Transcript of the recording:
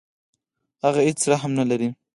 هغه هیڅ رحم نه لري.